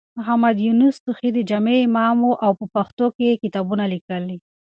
محمد يونس توخى د جامع امام و او په پښتو کې يې کتابونه کښلي.